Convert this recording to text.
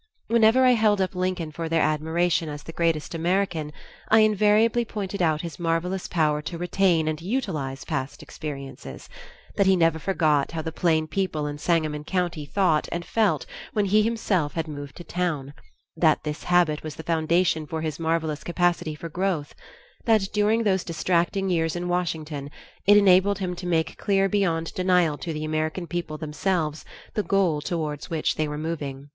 Whenever I held up Lincoln for their admiration as the greatest American, I invariably pointed out his marvelous power to retain and utilize past experiences; that he never forgot how the plain people in Sangamon County thought and felt when he himself had moved to town; that this habit was the foundation for his marvelous capacity for growth; that during those distracting years in Washington it enabled him to make clear beyond denial to the American people themselves, the goal towards which they were moving.